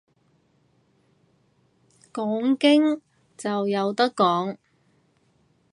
講經就有得講